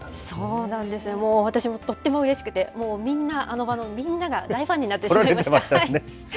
そうなんですね、私もとってもうれしくて、もうみんな、あの場のみんなが大ファンになってしまいました。